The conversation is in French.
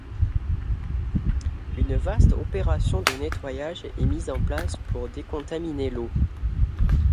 Une vaste opération de nettoyage est mise en place pour décontaminer l’eau.